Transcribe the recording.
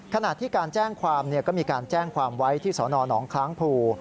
ขณะที่การแจ้งความก็มีการแจ้งความไว้ที่สนหนองคล้างภู